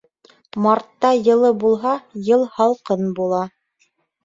Мартта йылы булһа, йыл һалҡын була.